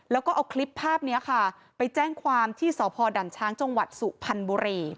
แล้วก็เอาคลิปภาพนี้ค่ะไปแจ้งความที่สพด่านช้างจังหวัดสุพรรณบุรี